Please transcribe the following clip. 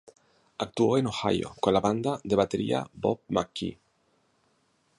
Actuó en Ohio con la banda de batería Bob McKee.